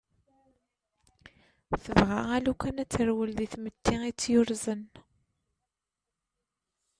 Tebɣa alukan ad terwel deg tmetti itt-yurzen.